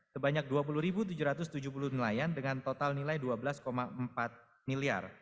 sebanyak dua puluh tujuh ratus tujuh puluh nelayan dengan total nilai rp dua belas empat miliar